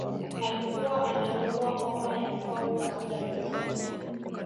alikuwa anaumwa homa ya pau kwa muda mrefu